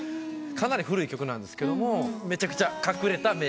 かなり古い曲なんですけどめちゃくちゃ隠れた名曲。